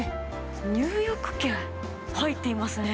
入浴券、入っていますね。